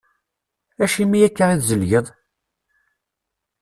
Acimi akka i tzelgeḍ?